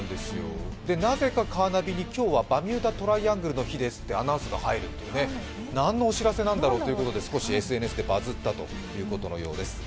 なぜか、カーナビに「今日はバミューダトライアングルの日」ですってアナウンスが入るという、なんのお知らせなんだろうということで少しＳＮＳでバズったということのようです。